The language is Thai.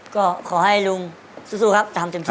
ก็ขอให้ลุงสู้ครับทำเต็มที่